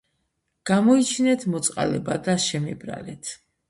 გამოიჩინეთ მოწყალება და შემიბრალეთ